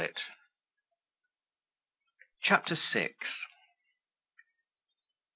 CHAPTER VI. Mrs.